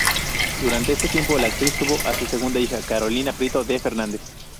Durante este tiempo, la actriz tuvo a su segunda hija, Carolina Prieto de Fernández.